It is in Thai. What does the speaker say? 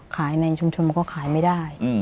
ขายในชุมก็ขายไม่ได้